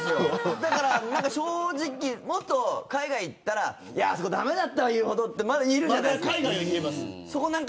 だから正直もっと海外行ったらあそこ、駄目だったわ言うほどってまだ言えるじゃないですか。